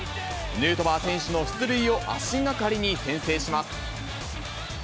ヌートバー選手の出塁を足がかりに先制します。